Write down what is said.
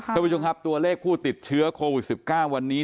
ท่านผู้ชมครับตัวเลขผู้ติดเชื้อโควิด๑๙วันนี้